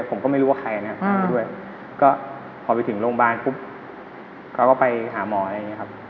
ผมก็ไม่รู้ว่าใครนะครับพอไปถึงโรงพยาบาลก็ไปหาหมออะไรอย่างนี้ครับ